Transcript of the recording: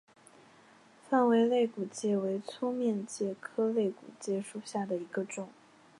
范睢肋骨介为粗面介科肋骨介属下的一个种。